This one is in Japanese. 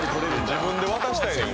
自分で渡したいやん